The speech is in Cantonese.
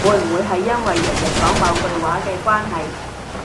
會唔會係因為日日講某句話嘅關係